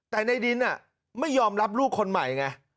แต่ในดินไม่ยอมรับลูกคนใหม่ไง